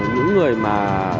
những người mà